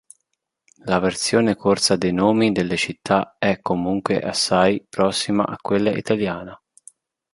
La versione corsa dei nomi delle città è comunque assai prossima a quella italiana.